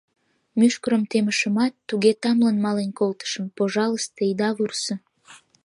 Мӱшкырым темышымат, туге тамлын мален колтышым... пожалысте, ида вурсо...